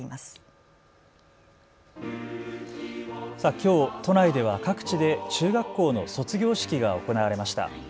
きょう、都内では各地で中学校の卒業式が行われました。